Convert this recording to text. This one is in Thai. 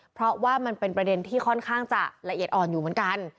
เพราะว่ามันเป็นประเด็นที่ค่อนข้างจะละเอียดอ่อนอยู่เหมือนกัน